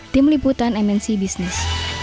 tim liputan mnc business